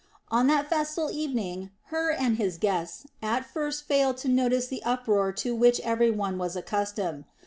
On that festal evening Hur and his guests at first failed to notice the uproar to which every one was accustomed.